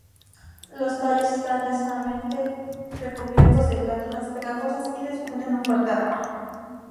Los tallos están densamente recubiertos de glándulas pegajosas y desprenden un fuerte aroma.